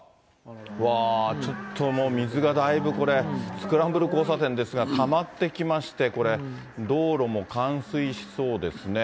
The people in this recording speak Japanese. うわー、ちょっともう水がだいぶこれ、スクランブル交差点ですがたまってきまして、これ、道路も冠水しそうですね。